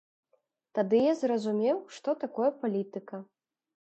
Тады я зразумеў, што такое палітыка.